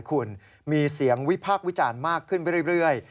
คุณมีเสียงวิพากษ์วิจารณ์มากขึ้นไปเรื่อย